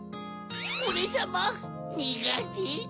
オレさまにがて。